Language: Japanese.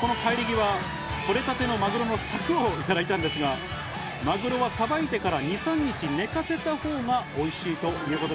この帰り際、とれたてのマグロのさくをいただいたんですが、マグロはさばいてから２３日寝かせたほうがおいしいということ。